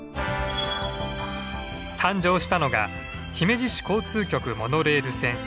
誕生したのが姫路市交通局モノレール線。